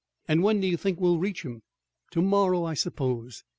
"And when do you think we'll reach 'em?" "Tomorrow, I suppose."